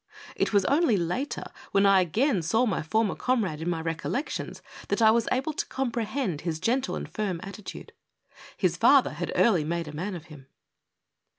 It was onl}^ later, when I again saw my former com rade in my recollections, that I was able to comprehend his gentle and firm attitude. His father had early made a man of him.